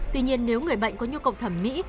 tuy nhiên nếu người bệnh có nhu cầu thẩm mỹ